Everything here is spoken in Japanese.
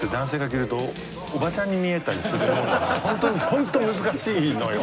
ホント難しいのよ。